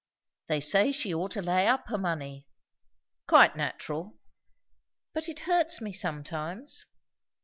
They say she ought to lay up her money." "Quite natural." "But it hurt me sometimes."